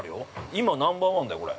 今ナンバーワンだよ、これ。